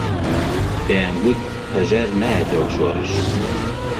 دەیانگوت هەژار نایەتەوە شۆڕش